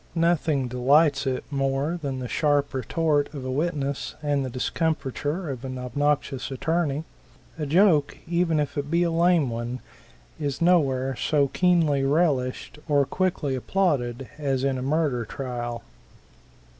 Nothing delights it more than the sharp retort of a witness and the discomfiture of an obnoxious attorney. A joke, even if it be a lame one, is no where so keenly relished or quickly applauded as in a murder trial.